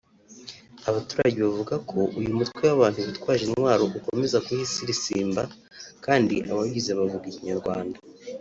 Abaturage bavuga ko uyu mutwe w’abantu bitwaje intwaro ukomeza kuhisirisimba kandi abawugize bavuga ikinyarwanda